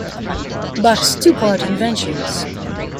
Bach's Two-part Inventions.